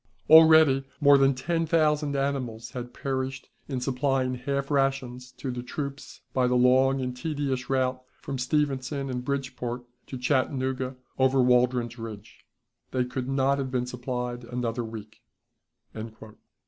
Already more than ten thousand animals had perished in supplying half rations to the troops by the long and tedious route from Stevenson and Bridgeport to Chattanooga over Waldron's Ridge. They could not have been supplied another week."